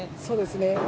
そうですね。